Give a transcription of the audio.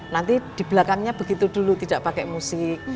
nanti di belakangnya begitu dulu tidak pakai musik